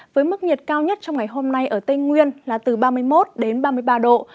với mức nhiệt cao nhất trong ngày hôm nay ở tây nguyên là từ ba mươi một đến ba mươi ba độ